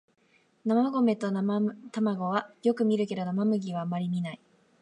生米と生卵はよく見るけど生麦はあまり見ない